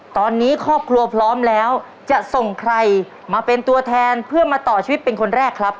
ตอนนี้ครอบครัวพร้อมแล้วจะส่งใครมาเป็นตัวแทนเพื่อมาต่อชีวิตเป็นคนแรกครับ